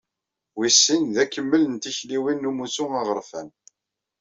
Wis sin, d akemmel n tikliwin n umussu aɣerfan.